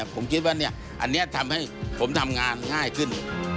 ผมคิดว่าอันนี้ทำให้ผมทำงานง่ายขึ้น